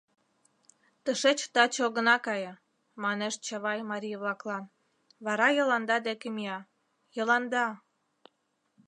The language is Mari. Тышеч таче огына кае! — манеш Чавай марий-влаклан, вара Йыланда деке мия: — Йыланда!